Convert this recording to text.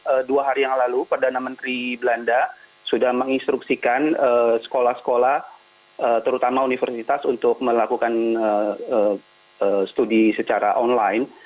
sejak dua hari yang lalu perdana menteri belanda sudah menginstruksikan sekolah sekolah terutama universitas untuk melakukan studi secara online